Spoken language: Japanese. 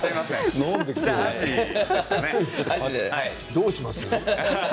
どうします？